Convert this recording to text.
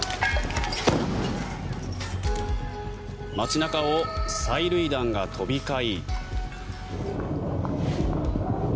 街中を催涙弾が飛び交い。